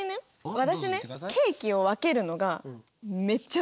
私ねケーキを分けるのがめっちゃ得意なの。